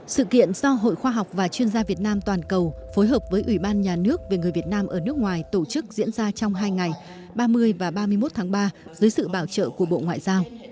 sự kiện do hội khoa học và chuyên gia việt nam toàn cầu phối hợp với ủy ban nhà nước về người việt nam ở nước ngoài tổ chức diễn ra trong hai ngày ba mươi và ba mươi một tháng ba dưới sự bảo trợ của bộ ngoại giao